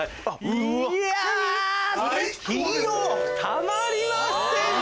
たまりません！